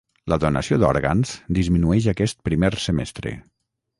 La donació d'òrgans disminueix aquest primer semestre